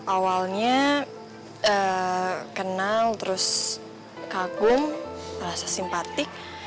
awalnya kenal terus kagum rasa simpatik